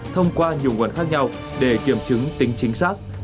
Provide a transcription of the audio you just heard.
thông qua nhiều nguồn khác nhau để kiểm chứng tính chính xác